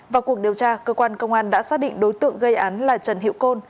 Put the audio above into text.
vào cuộc điều tra cơ quan công an đã xác định đối tượng gây án là trần hiệu côn